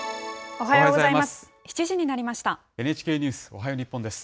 おはようございます。